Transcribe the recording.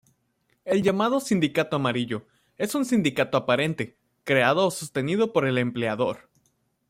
El llamado sindicato amarillo, es un sindicato aparente, creado o sostenido por el empleador.